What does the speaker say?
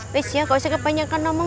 wiss ya gak usah kebanyakan ngomong